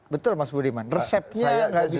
betul mas budiman resepnya gak bisa masuk